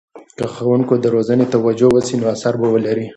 که د ښوونکو روزنې ته توجه وسي، نو اثر به ولري.